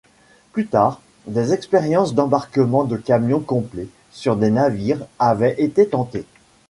Plus tard, des expériences d'embarquement de camions complets, sur des navires, avaient été tentées.